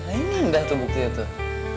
ini indah tuh bukunya tuh